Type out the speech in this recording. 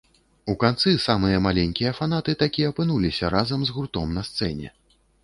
У канцы самыя маленькія фанаты такі апынуліся разам з гуртом на сцэне.